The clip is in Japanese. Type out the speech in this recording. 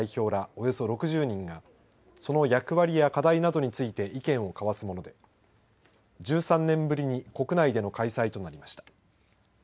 およそ６０人がその役割や課題などについて意見を交わすもので１３年ぶりに国内での開催となりました。